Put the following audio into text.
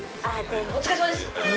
お疲れさまです